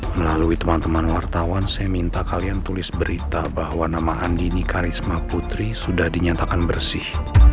melalui teman teman wartawan saya minta kalian tulis berita bahwa nama andi ni karisma putri sudah dinyatakan bersih